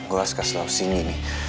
gua kasih kasih luar sini nih